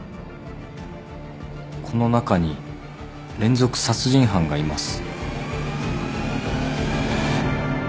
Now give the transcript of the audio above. この中に連続殺人犯がいます。